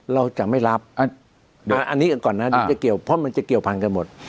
เราจะไม่รับอ่ะอันนี้ก่อนนะอ่านี่จะเกี่ยวเพราะมันจะเกี่ยวพันธุ์กันหมด